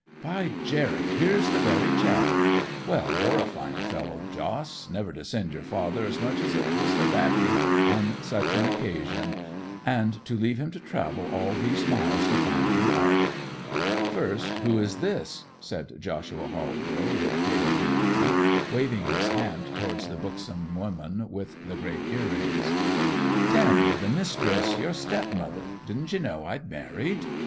'By Jerry, here's the very chap! Well, you're a fine fellow, Jos, never to send your father as much as a twist o' baccy on such an occasion, and to leave him to travel all these miles to find ye out!' 'First, who is this?' said Joshua Halborough with pale dignity, waving his hand towards the buxom woman with the great earrings. 'Dammy, the mis'ess! Your step mother! Didn't you know I'd married?